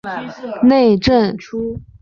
内政及王国关系部辅佐政务。